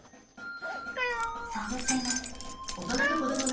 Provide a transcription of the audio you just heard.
探っています。